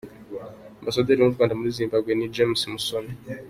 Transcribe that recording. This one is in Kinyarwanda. Ambasaderi w’u Rwanda muri Zimbabwe ni James Musoni